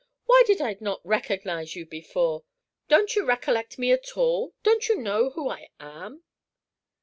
Why did I not recognize you before? Don't you recollect me at all? Don't you know who I am?"